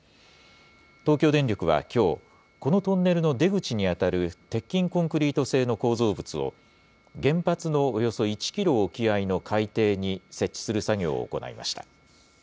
東京電力はきょう、このトンネルの出口に当たる鉄筋コンクリート製の構造物を、原発のおよそ１キロ沖合の海底に設置する作業を行いました。